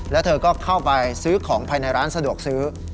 แล้วเธอก็เข้าไปซื้อของภายในร้านสะดวกซื้อ